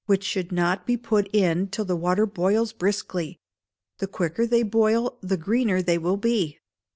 which should not be put in till the water boils briskly: the quicker they boil the greener they will be.